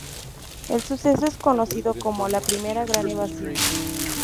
El suceso es conocido como ""La Primera Gran Evasión"".